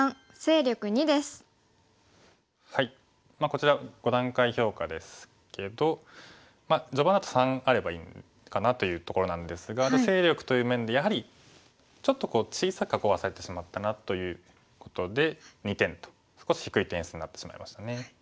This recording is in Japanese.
こちら５段階評価ですけど序盤だと３あればいいかなというところなんですが勢力という面でやはりちょっと小さく囲わされてしまったなということで２点と少し低い点数になってしまいましたね。